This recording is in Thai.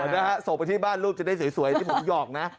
นะฮะส่งไปที่บ้านลูกจะได้สวยที่ผมหยอกนะ